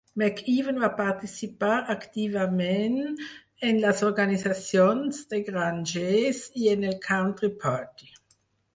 McEwen va participar activament en les organitzacions de grangers i en el Country Party.